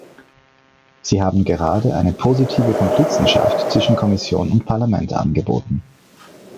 Sie haben gerade eine positive Komplizenschaft zwischen Kommission und Parlament angeboten.